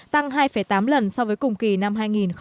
tăng hai tám lần so với cùng kỳ năm hai nghìn một mươi tám